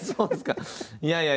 いやいや！